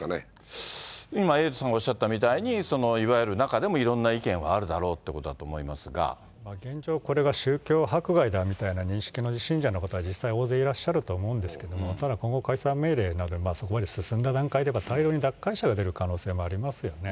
今、エイトさんがおっしゃったみたいに、いわゆる中でもいろんな意見はあるだろうということだと思います現状、これが宗教迫害だみたいな認識の信者の方は実際、大勢いらっしゃると思うんですけど、ただ、今後、解散命令がそこまで進んだ段階では大量に脱会者が出る可能性もありますよね。